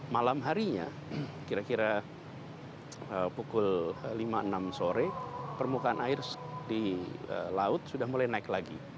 malam harinya kira kira pukul lima enam sore permukaan air di laut sudah mulai naik lagi